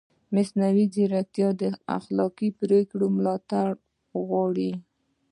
مصنوعي ځیرکتیا د اخلاقي پرېکړو ملاتړ غواړي.